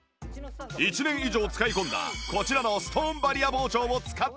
１年以上使い込んだこちらのストーンバリア包丁を使ってみると